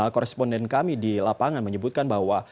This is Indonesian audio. koresponden kami di lapangan menyebutkan bahwa